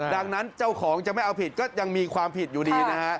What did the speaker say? ดังนั้นเจ้าของจะไม่เอาผิดก็ยังมีความผิดอยู่ดีนะฮะ